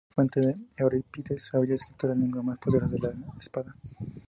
Según esa fuente, Eurípides habría escrito "La lengua es más poderosa que la espada".